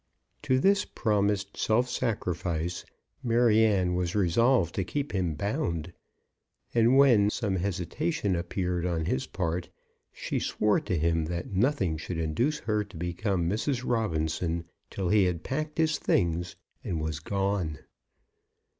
To this promised self sacrifice Maryanne was resolved to keep him bound; and when some hesitation appeared on his part, she swore to him that nothing should induce her to become Mrs. Robinson till he had packed his things and was gone.